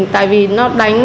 tại vì nó đáng